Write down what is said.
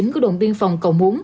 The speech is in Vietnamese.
của đồng biên phòng cầu muốn